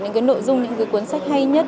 những cái nội dung những cái cuốn sách hay nhất